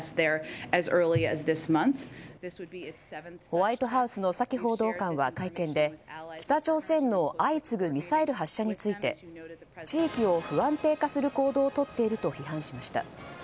ホワイトハウスのサキ報道官は会見で北朝鮮の相次ぐミサイル発射について地域を不安定化する行動を取っていると批判しました。